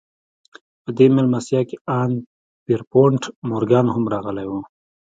په دې مېلمستيا کې ان پيرپونټ مورګان هم راغلی و.